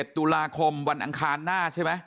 ๑ตุลาคมวันอังคารหน้าใช่ไหม